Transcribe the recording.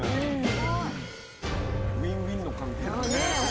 ウィンウィンの関係だね。